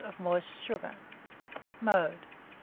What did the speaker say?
of moist sugar. Mode.